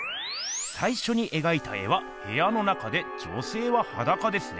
さいしょにえがいた絵はへやの中で女せいははだかですね。